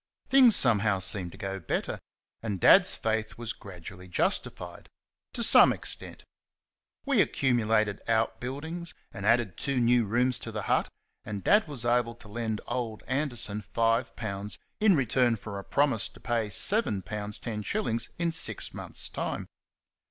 Things somehow seemed to go better; and Dad's faith was gradually justified to some extent. We accumulated out buildings and added two new rooms to the hut, and Dad was able to lend old Anderson five pounds in return for a promise to pay seven pounds ten shillings in six months' time.